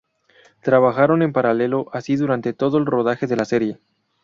Trabajaron en paralelo así durante todo el rodaje de la serie.